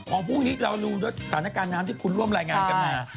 พรุ่งนี้เราดูด้วยสถานการณ์น้ำที่คุณร่วมรายงานกันมา